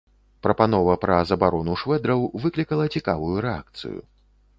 Прапанова пра забарону швэдраў выклікала цікавую рэакцыю.